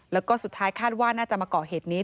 แล้วก็สุดท้ายคาดว่าน่าจะมาเกาะเหตุนี้